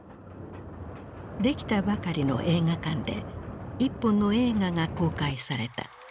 出来たばかりの映画館で一本の映画が公開された。